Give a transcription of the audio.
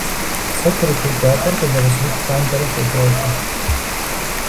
Сэ курыт еджапӀэр къызэрызух лъандэрэ солажьэ.